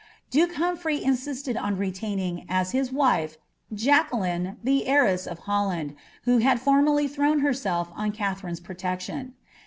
Duke Humphrey insisted on retaining, as his wife, Jacqueline the heiress of Holland, who had for merly thrown herself on Katherine's protection.